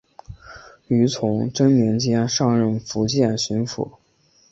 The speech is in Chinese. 于崇祯年间上任福建巡抚。